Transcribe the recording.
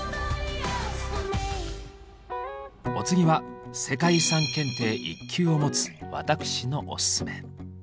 お次は世界遺産検定１級を持つ私のオススメ。